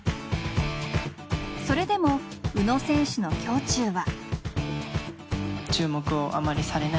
それでも宇野選手の胸中は。